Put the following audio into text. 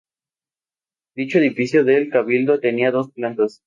Dicho edificio del Cabildo tenía dos plantas.